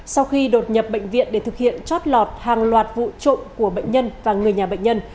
sau khi đột nhập bệnh viện để thực hiện chót lọt hàng loạt vụ trộm của bệnh nhân và người nhà bệnh nhân